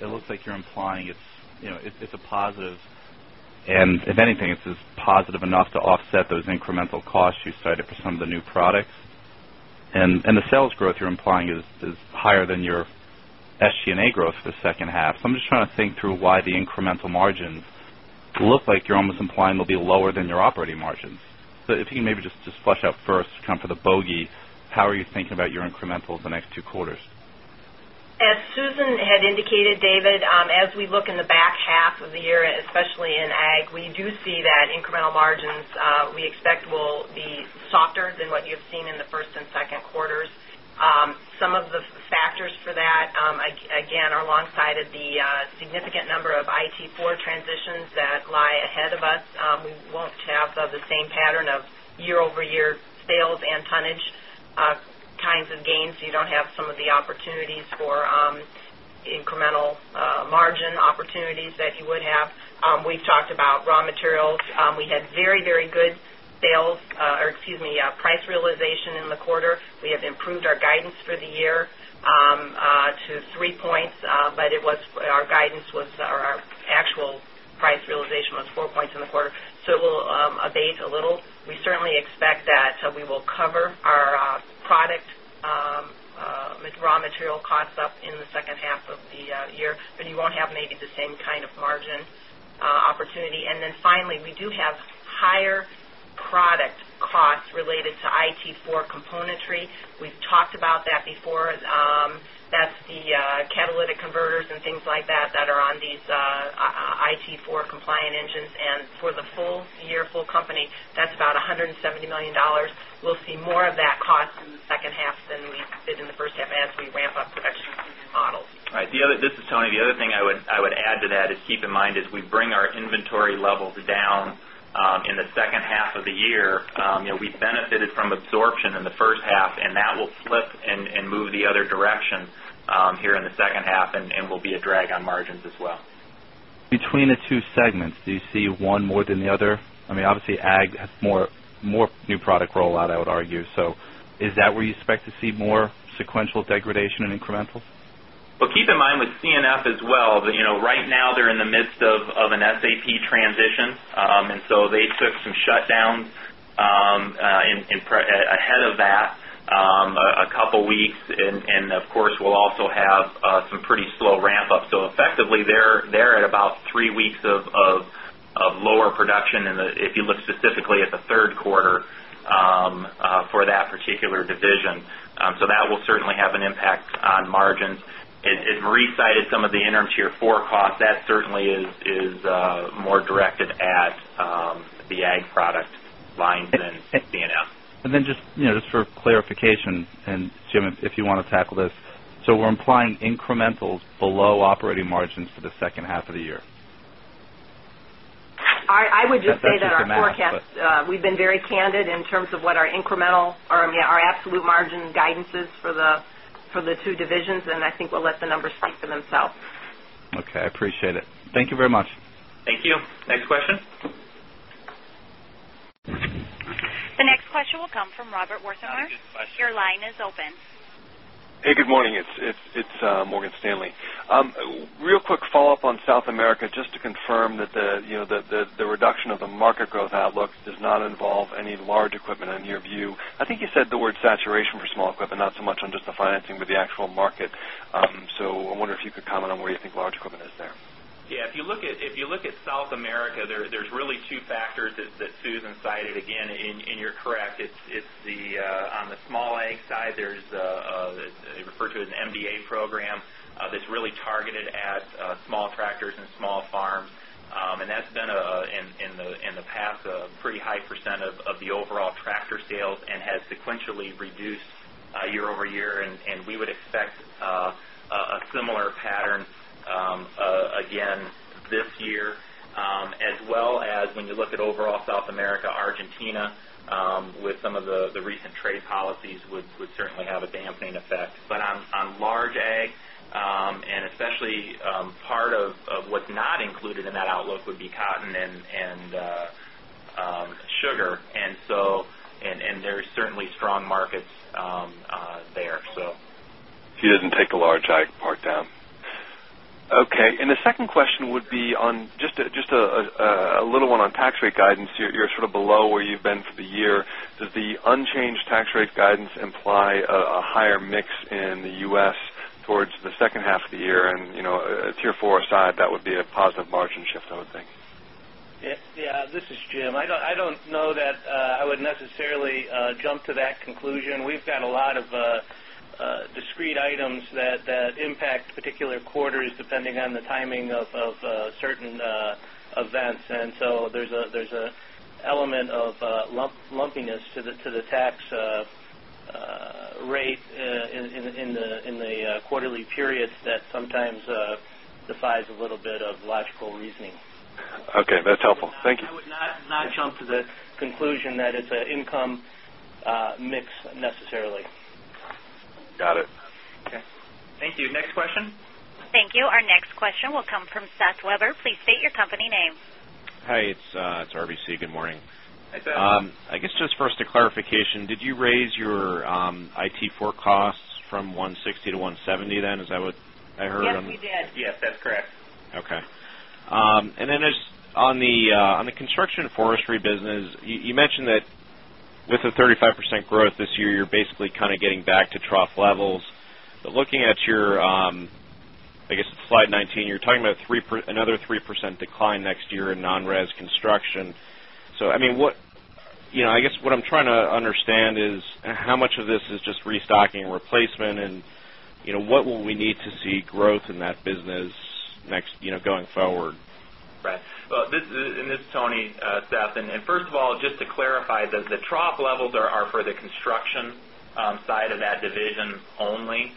It looks like you're implying it's, you know, it's a positive. If anything, it's positive enough to offset those incremental costs you cited for some of the new products. The sales growth you're implying is higher than your SG&A growth for the second half. I'm just trying to think through why the incremental margins look like you're almost implying they'll be lower than your operating margins. If you can maybe just flesh out first, kind of for the bogey, how are you thinking about your incremental the next two quarters? As Susan had indicated, David, as we look in the back half of the year, especially in Ag, we do see that incremental margins we expect will be softer than what you've seen in the first and second quarters. Some of the factors for that, again, are alongside the significant number of iT4 transitions that lie ahead of us. We won't have the same pattern of year-over-year sales and tonnage kinds of gains. You don't have some of the opportunities for incremental margin opportunities that you would have. We've talked about raw material expenses. We had very, very good price realization in the quarter. We have improved our guidance for the year to 3 points, but our actual price realization was 4 points in the quarter. It will abate a little. We certainly expect that we will cover our product raw material costs up in the second half of the year, but you won't have maybe the same kind of margin opportunity. Finally, we do have higher product costs related to iT4 componentry. We've talked about that before. That's the catalytic converters and things like that that are on these iT4 compliant engines. For the full year, full company, that's about $170 million. We'll see more of that cost in the second half than we did in the first half as we ramp up some extra models. Right. David, this is Tony. The other thing I would add to that is keep in mind as we bring our inventory levels down in the second half of the year, you know, we've benefited from absorption in the first half, and that will flip and move the other direction here in the second half and will be a drag on margins as well. Between the two segments, do you see one more than the other? I mean, obviously, Ag has more new product rollout, I would argue. Is that where you expect to see more sequential degradation and incremental? Keep in mind with C&S as well, you know, right now they're in the midst of an SAP transition. They've swift some shutdowns ahead of that a couple of weeks, and of course, we'll also have some pretty slow ramp-ups. Effectively, they're at about three weeks of lower production. If you look specifically, it's a third quarter for that particular division. That will certainly have an impact on margins. As Marie cited, some of the Interim Tier 4 costs, that certainly is more directed at the Ag product lines than C&S. For clarification, Jim, if you want to tackle this, we're implying incrementals below operating margins for the second half of the year. I would just say that our forecast, we've been very candid in terms of what our incremental or our absolute margin guidance is for the two divisions. I think we'll let the numbers speak for themselves. Okay. I appreciate it. Thank you very much. Thank you. Next question. The next question will come from Robert Wertheimer. Your line is open. Hey, good morning. It's Morgan Stanley. Real quick follow-up on South America, just to confirm that the reduction of the market growth outlook does not involve any large equipment in your view. I think you said the word saturation for small equipment, not so much on just the financing, but the actual market. I wonder if you could comment on where you think large equipment is there. Yeah, if you look at South America, there's really two factors that Susan cited. Again, and you're correct, it's on the small Ag side, there's a, as I referred to it, an MDA program that's really targeted at small tractors and small farms. That's been in the past a pretty high percent of the overall tractor sales and has sequentially reduced year-over-year. We would expect a similar pattern again this year, as well as when you look at overall South America, Argentina, with some of the recent trade policies, would certainly have a dampening effect. On large Ag, and especially part of what's not included in that outlook, would be cotton and sugar. There's certainly strong markets there. She didn't take the large Ag part down. Okay. The second question would be on just a little one on tax rate guidance. You're sort of below where you've been for the year. Does the unchanged tax rate guidance imply a higher mix in the U.S. towards the second half of the year? You know, Tier 4 aside, that would be a positive margin shift, I would think. Yes. Yeah, this is Jim. I don't know that I would necessarily jump to that conclusion. We've got a lot of discrete items that impact particular quarters depending on the timing of certain events. There's an element of lumpiness to the tax rate in the quarterly periods that sometimes defies a little bit of logical reasoning. Okay, that's helpful. Thank you. I would not jump to the conclusion that it's an income mix necessarily. Got it. Okay. Thank you. Next question. Thank you. Our next question will come from Seth Weber. Please state your company name. Hi, it's RBC. Good morning. Hi, Seth. I guess just first a clarification, did you raise your iT4 costs from $160 to $170 then? Is that what I heard? Yes, we did. Yes, that's correct. Okay. On the Construction & Forestry business, you mentioned that with a 35% growth this year, you're basically kind of getting back to trough levels. Looking at your, I guess, slide 19, you're talking about another 3% decline next year in non-res construction. I mean, what I'm trying to understand is how much of this is just restocking and replacement, and what will we need to see growth in that business next, going forward? Right. This is Tony. First of all, just to clarify, the trough levels are for the construction side of that division only.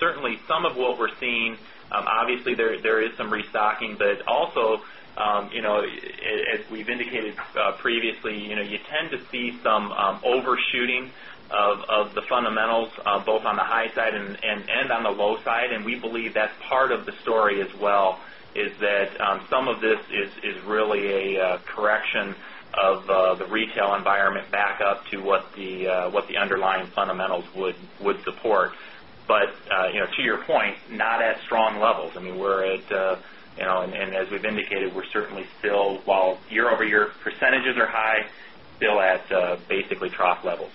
Certainly, some of what we're seeing, obviously, there is some restocking, but also, as we've indicated previously, you tend to see some overshooting of the fundamentals, both on the high side and on the low side. We believe that's part of the story as well, that some of this is really a correction of the retail environment back up to what the underlying fundamentals would support. To your point, not at strong levels. We're at, as we've indicated, certainly still, while year-over-year percentages are high, still at basically trough levels.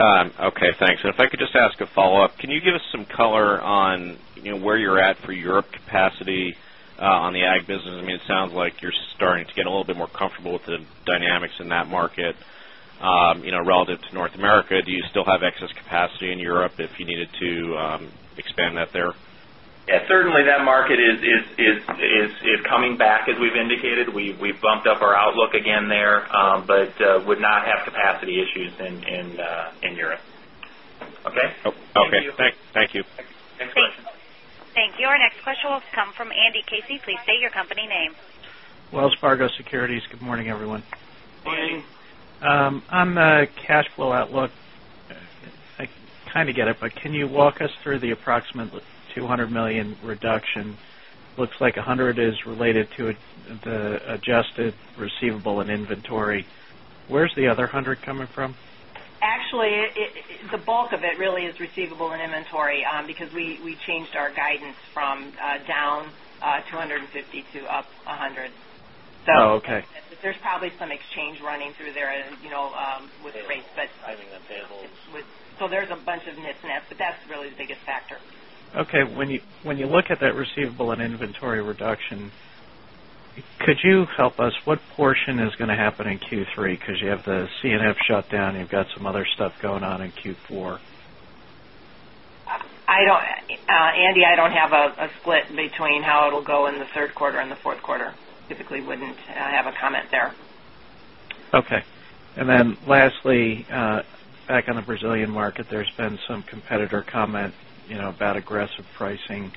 Okay, thanks. If I could just ask a follow-up, can you give us some color on, you know, where you're at for Europe capacity on the Ag business? I mean, it sounds like you're starting to get a little bit more comfortable with the dynamics in that market. You know, relative to North America, do you still have excess capacity in Europe if you needed to expand that there? Yeah, certainly that market is coming back, as we've indicated. We've bumped up our outlook again there, but would not have capacity issues in Europe. Okay. Thank you. Next question. Thank you. Our next question will come from Andy Casey. Please state your company name. Wells Fargo Securities. Good morning, everyone. Morning. On the cash flow outlook, I kind of get it, but can you walk us through the approximate $200 million reduction? Looks like $100 million is related to the adjusted receivable and inventory. Where's the other $100 million coming from? Actually, the bulk of it really is receivables and inventory because we changed our guidance from down $250 million to up $100 million. Oh, okay. There is probably some exchange running through there, you know, with rates. Timing on sales? There is a bunch of mismatch, but that's really the biggest factor. Okay. When you look at that receivable and inventory reduction, could you help us? What portion is going to happen in Q3? Because you have the Construction & Forestry shutdown, you've got some other stuff going on in Q4. Andy, I don't have a split between how it'll go in the third quarter and the fourth quarter. Typically, I wouldn't have a comment there. Okay. Lastly, back on the Brazilian market, there's been some competitor comment about aggressive pricing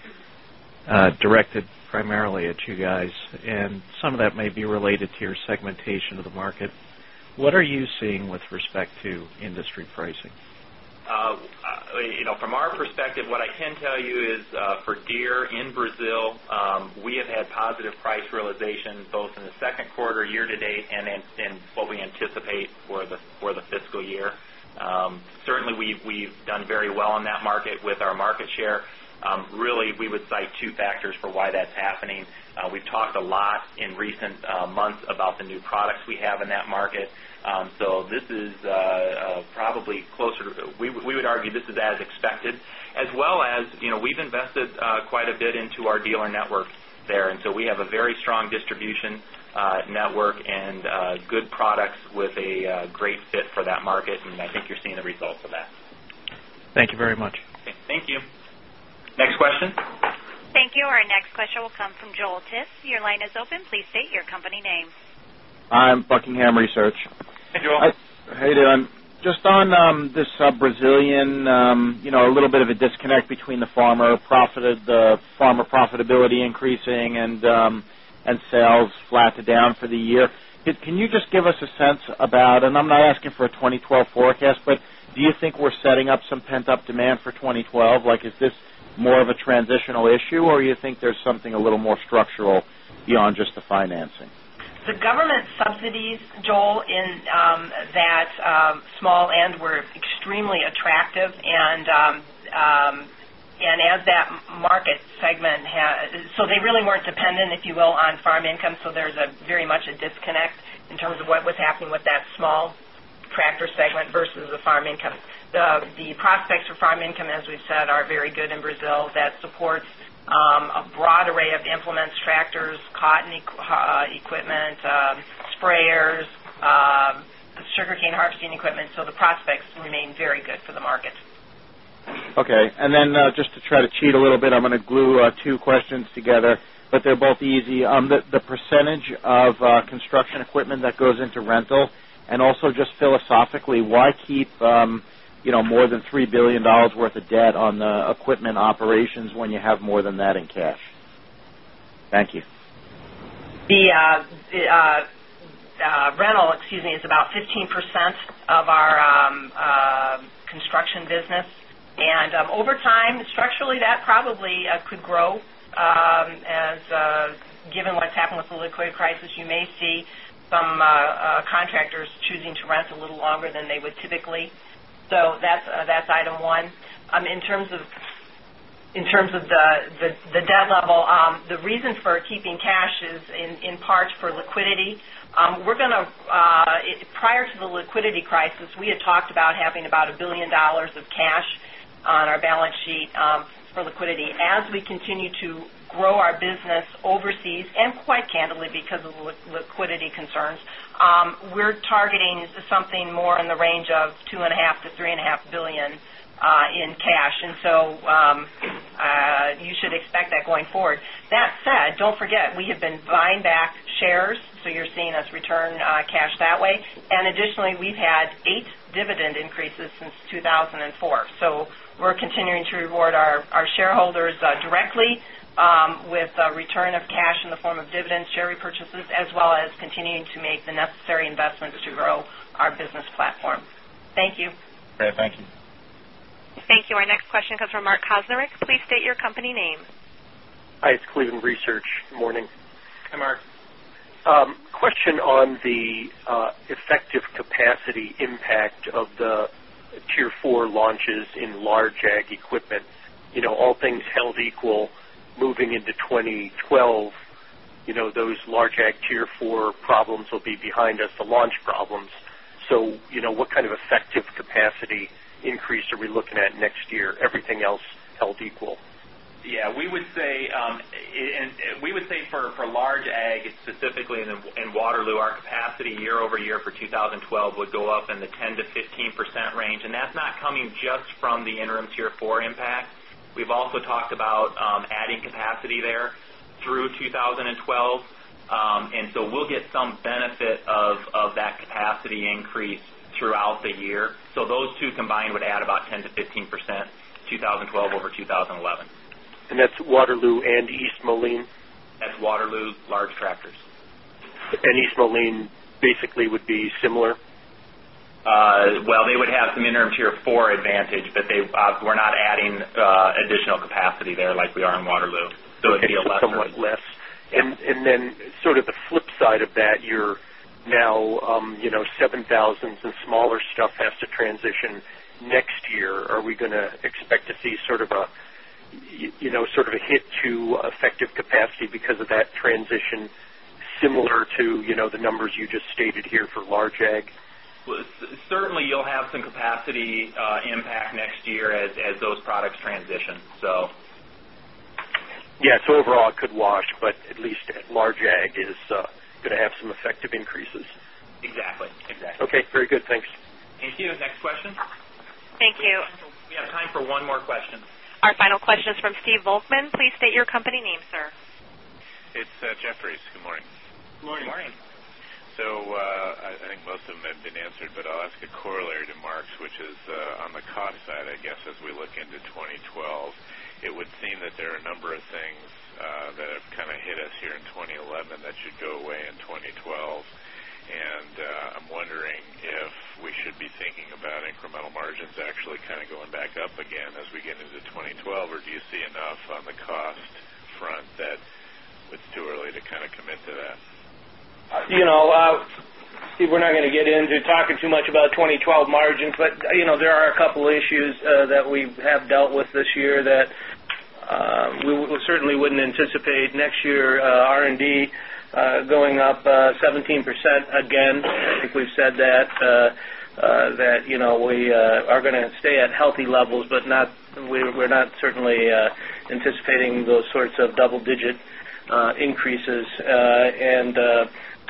directed primarily at you guys. Some of that may be related to your segmentation of the market. What are you seeing with respect to industry pricing? From our perspective, what I can tell you is for Deere in Brazil, we have had positive price realization both in the second quarter year-to-date and in what we anticipate for the fiscal year. Certainly, we've done very well in that market with our market share. We would cite two factors for why that's happening. We've talked a lot in recent months about the new products we have in that market. This is probably closer to, we would argue this is as expected, as well as we've invested quite a bit into our dealer network there. We have a very strong distribution network and good products with a great fit for that market. I think you're seeing the results of that. Thank you very much. Thank you. Next question. Thank you. Our next question will come from Joel Tiss. Your line is open. Please state your company name. I'm with Buckingham Research. Hey, Joel. How are you doing? Just on this Brazilian, you know, a little bit of a disconnect between the farmer profitability increasing and sales flat to down for the year. Can you just give us a sense about, and I'm not asking for a 2012 forecast, but do you think we're setting up some pent-up demand for 2012? Like, is this more of a transitional issue, or do you think there's something a little more structural beyond just the financing? The government subsidies, Joel, in that small end were extremely attractive. As that market segment had, they really weren't dependent, if you will, on farm income. There's very much a disconnect in terms of what was happening with that small tractor segment versus the farm income. The prospects for farm income, as we've said, are very good in Brazil. That supports a broad array of implements, tractors, cotton equipment, sprayers, sugar cane harvesting equipment. The prospects remain very good for the market. Okay. Just to try to cheat a little bit, I'm going to glue two questions together, but they're both easy. The percentage of construction equipment that goes into rental, and also just philosophically, why keep, you know, more than $3 billion worth of debt on the equipment operations when you have more than that in cash? Thank you. The rental is about 15% of our construction business. Over time, structurally, that probably could grow. Given what's happened with the liquidity crisis, you may see some contractors choosing to rent a little longer than they would typically. That's item one. In terms of the debt level, the reason for keeping cash is in part for liquidity. Prior to the liquidity crisis, we had talked about having about $1 billion of cash on our balance sheet for liquidity. As we continue to grow our business overseas, and quite candidly, because of the liquidity concerns, we're targeting something more in the range of $2.5 billion-$3.5 billion in cash. You should expect that going forward. That said, don't forget, we have been buying back shares. You're seeing us return cash that way. Additionally, we've had eight dividend increases since 2004. We're continuing to reward our shareholders directly with a return of cash in the form of dividends, share repurchases, as well as continuing to make the necessary investments to grow our business platform. Thank you. Okay, thank you. Thank you. Our next question comes from Mark Koznarek. Please state your company name. Hi, it's Cleveland Research. Good morning. Hi, Mark. Question on the effective capacity impact of the Tier 4 launches in large Ag equipment. All things held equal, moving into 2012, those large Ag Tier 4 problems will be behind us, the launch problems. What kind of effective capacity increase are we looking at next year? Everything else held equal. We would say for large Ag specifically in Waterloo, our capacity year-over-year for 2012 would go up in the 10%-15% range. That's not coming just from the Interim Tier 4 impact. We've also talked about adding capacity there through 2012, and we'll get some benefit of that capacity increase throughout the year. Those two combined would add about 10%-15%, 2012 over 2011. That's Waterloo and East Moline? That's Waterloo, large tractors. East Moline basically would be similar? They would have some Interim Tier 4 advantage, but we're not adding additional capacity there like we are in Waterloo. It'd be less. Then sort of the flip side of that, you're now, you know, 7,000s and smaller stuff has to transition next year. Are we going to expect to see sort of a, you know, sort of a hit to effective capacity because of that transition, similar to the numbers you just stated here for large Ag? Certainly, you’ll have some capacity impact next year as those products transition. Yeah, overall it could wash, but at least large Ag is going to have some effective increases. Exactly. Exactly. Okay, very good. Thanks. Thank you. Next question. Thank you. We have time for one more question. Our final question is from Steve Volkmann. Please state your company name, sir. It's Jefferies. Good morning. Good morning. Morning. I think most of them have been answered, but I'll ask a corollary to Mark, which is on the cost side. I guess, as we look into 2012, it would seem that there are a number of things that have kind of hit us here in 2011 that should go away in 2012. I'm wondering if we should be thinking about incremental margins actually kind of going back up again as we get into 2012, or do you see enough on the cost front that it's too early to kind of commit to that? You know, Steve, we're not going to get into talking too much about 2012 margins, but there are a couple of issues that we have dealt with this year that we certainly wouldn't anticipate next year. R&D going up 17% again. I think we've said that we are going to stay at healthy levels, but we're not certainly anticipating those sorts of double-digit increases.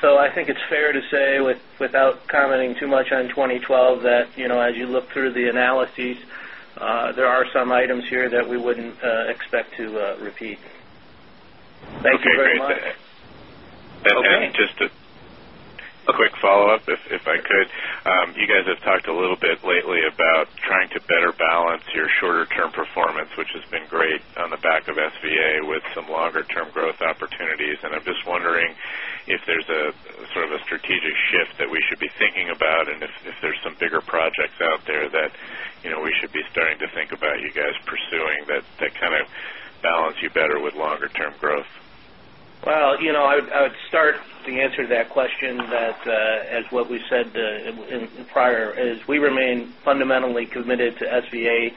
I think it's fair to say, without commenting too much on 2012, that as you look through the analyses, there are some items here that we wouldn't expect to repeat. Okay. Thank you very much. Okay. Okay. Just a quick follow-up, if I could. You guys have talked a little bit lately about trying to better balance your shorter-term performance, which has been great on the back of SVA, with some longer-term growth opportunities. I'm just wondering if there's a sort of a strategic shift that we should be thinking about, and if there's some bigger projects out there that we should be starting to think about you guys pursuing that kind of balance you better with longer-term growth. I would start to answer that question that, as what we said in prior, is we remain fundamentally committed to SVA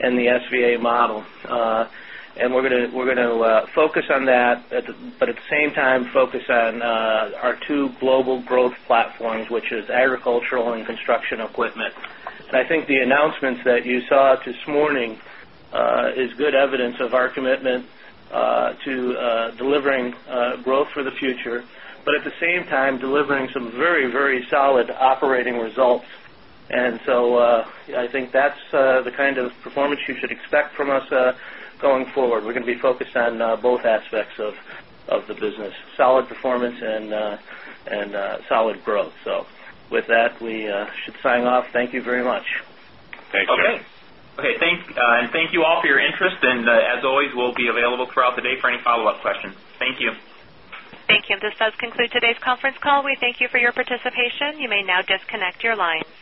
and the SVA model. We're going to focus on that, but at the same time, focus on our two global growth platforms, which is agricultural and construction equipment. I think the announcements that you saw this morning are good evidence of our commitment to delivering growth for the future, but at the same time, delivering some very, very solid operating results. I think that's the kind of performance you should expect from us going forward. We're going to be focused on both aspects of the business: solid performance and solid growth. With that, we should sign off. Thank you very much. Thanks, Jeff. Okay. Thank you. Thank you all for your interest. As always, we'll be available throughout the day for any follow-up questions. Thank you. Thank you. This does conclude today's conference call. We thank you for your participation. You may now disconnect your lines.